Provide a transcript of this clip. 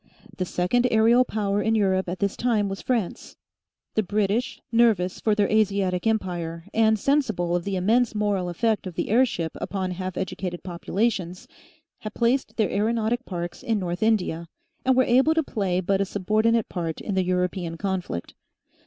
The second aerial power in Europe at this time was France; the British, nervous for their Asiatic empire, and sensible of the immense moral effect of the airship upon half educated populations, had placed their aeronautic parks in North India, and were able to play but a subordinate part in the European conflict.